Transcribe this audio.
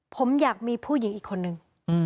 ผมอยากมีผู้หญิงอีกคนนึง